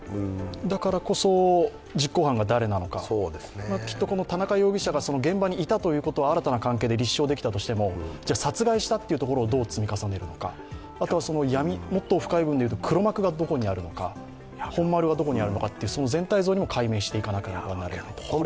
だからこそ、実行犯が誰なのか、きっと田中容疑者が現場にいたことは、新たな関係で立証できたとしても殺害したということをどう積み重ねるのか、もっと深い部分でいうと黒幕がどこにあるのか、本丸がどこにあるのか、全体像も解明していかなきゃいけないと。